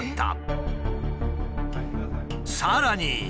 さらに。